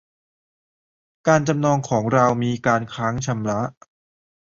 การจำนองของเรามีการค้างชำระ